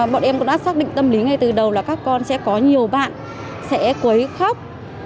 bọn em cũng đã xác định tâm lý ngay từ đầu là các con sẽ có nhiều bạn sẽ quấy khóc